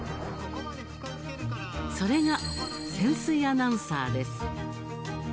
それが、潜水アナウンサーです。